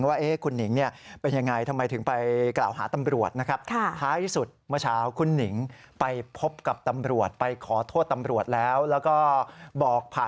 ว่าคุณหนิงเนี่ยเป็นยังไงทำไมถึงไปกล่าวหาตำรวจนะครับ